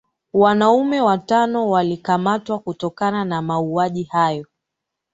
Wanaume watano walikamatwa kutokana na mauaji hayo